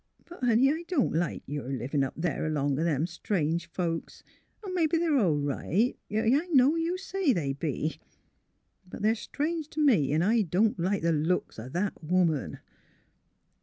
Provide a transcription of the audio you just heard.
But, honey, I don't like your livin' up there along o' them strange folks. Mebbe they're all right. — Yes, I know you say they be. But they're strange t' me, 'n' I don't like the looks o' that woman."